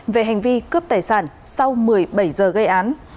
về hành vi cướp tài sản sau một mươi bảy giờ gây án